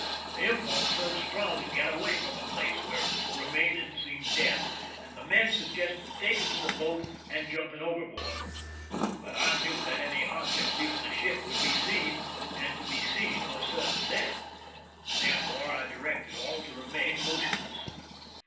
The impulse surged sti'ong to get away from a place where re maining seemed death, and the men suggested tak ing to the boat and jumping overboard; but I knew that any object leaving the ship would be seen, and to be seen was certain death, and, there fore, I directed all to remain motionless.